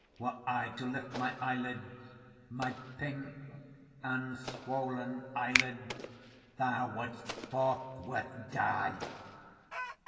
Were I to lift my eyelids my pink and swollen eyelids, thou wouldst forthwith die!"